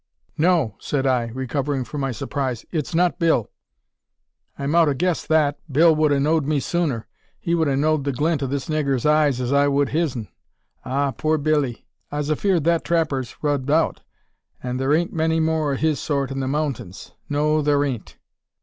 "No," said I, recovering from my surprise; "it's not Bill." "I mout 'a guessed that. Bill wud 'a know'd me sooner. He wud 'a know'd the glint o' this niggur's eyes as I wud his'n. Ah! poor Billee! I's afeerd that trapper's rubbed out; an' thur ain't many more o' his sort in the mountains. No, that thur ain't.